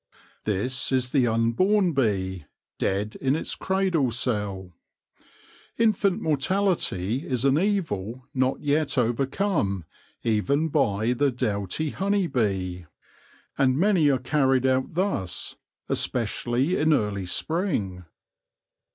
This is the unborn bee, dead in its cradle cell. Infant mor tality is an evil not yet overcome even by the doughty 44 THE LORE OF THE HONEY BEE honey bee, and many are carried out thus, especially in early spring.